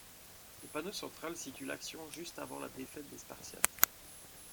Le panneau central situe l'action juste avant la défaite des Spartiates.